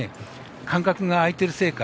間隔が空いてるせいか